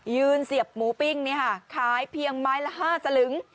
ยืนเสียบหมูปิ้งนี่ค่ะขายเพียงไม้ละ๕สลึง